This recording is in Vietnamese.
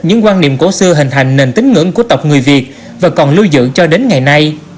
những quan niệm cổ xưa hình thành nền tính ngưỡng của tộc người việt và còn lưu giữ cho đến ngày nay